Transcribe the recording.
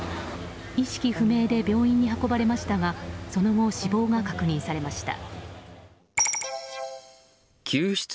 意識不明で病院に運ばれましたがその後、死亡が確認されました。